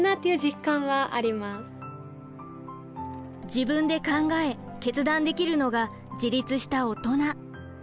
自分で考え決断できるのが自立したオトナ。